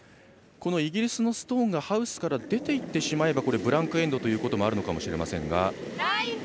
このイギリスのストーンがハウスから出ていってしまえばブランクエンドがあるかもしれません。